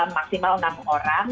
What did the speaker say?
maksimal enam orang